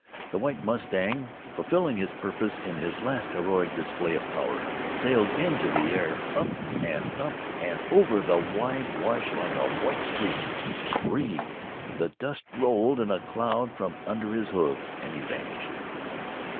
The White Mustang, fulfilling his purpose in a last heroic display of power, sailed into the air, up and up, and over the wide wash like a white streak. Free! the dust rolled in a cloud from under his hoofs, and he vanished.